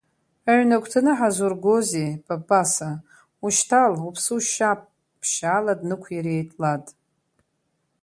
Аҩны агәҭаны ҳазургозеи, Папаса, ушьҭал, уԥсы ушьап, ԥшьаала днықәириеит Лад.